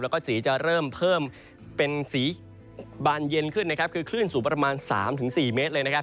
แล้วก็สีจะเริ่มเพิ่มเป็นสีบานเย็นขึ้นนะครับคือคลื่นสูงประมาณ๓๔เมตรเลยนะครับ